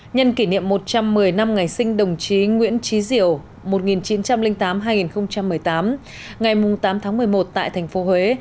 nhân kỷ niệm một trăm một mươi năm ngày sinh đồng chí nguyễn trí diểu một nghìn chín trăm linh tám hai nghìn một mươi tám ngày tám tháng một mươi một tại thành phố huế